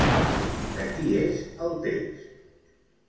De qui és el text?